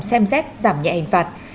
xem xét giảm nhẹ hình phạt